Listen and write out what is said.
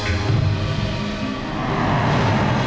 masih yang pak